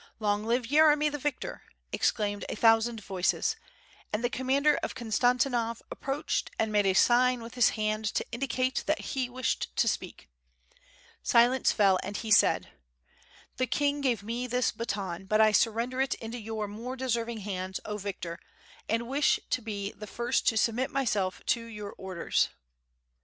Long live Yeremy the victor," exclaimed a thousand voices; and the commander of Konstantinov approached and made a sign with his hand to indicate that he wished to speak. Silence fell and he said: "The King gave me this baton, but I surrender it into your more deserving hands, 0 victor! and wish to be the first to submit myself to your orders."